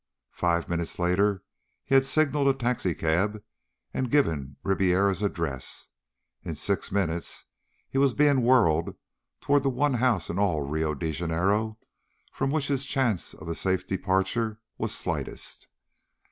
Five minutes later he had signaled a taxicab and given Ribiera's address. In six minutes he was being whirled toward the one house in all Rio de Janeiro from which his chance of a safe departure was slightest.